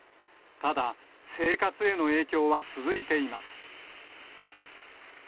ただ、生活への影響は続いています。